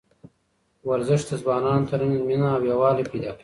ورزش د ځوانانو ترمنځ مینه او یووالی پیدا کوي.